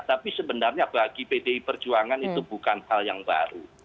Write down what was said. tapi sebenarnya bagi pdi perjuangan itu bukan hal yang baru